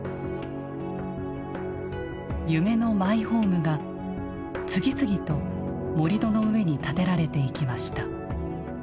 「夢のマイホーム」が次々と盛土の上に建てられていきました。